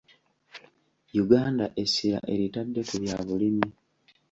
Uganda essira eritadde ku bya bulimi.